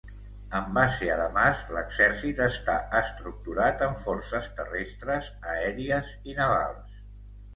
Amb base a Damasc, l'exèrcit està estructurat en forces terrestres, aèries i navals.